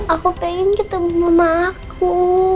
aku pengen ketemu mama aku